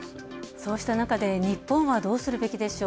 そうした中で、日本はどうするべきでしょう？